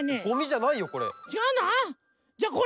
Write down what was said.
ゴミじゃないよこれ。